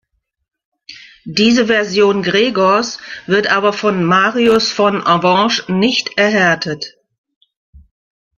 Diese Version Gregors wird aber von Marius von Avenches nicht erhärtet.